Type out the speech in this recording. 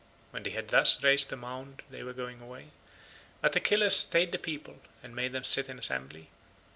When they had thus raised a mound they were going away, but Achilles stayed the people and made them sit in assembly.